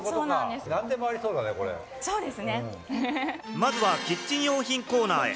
まずはキッチン用品コーナーへ。